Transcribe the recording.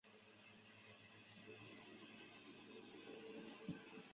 布莱克沃特大火引发的这一系列的伤亡事故促使联邦政府对此尽早展开严密调查。